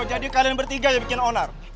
oh jadi kalian bertiga yang bikin onar